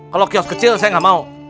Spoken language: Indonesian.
kalau kios kecil saya nggak mau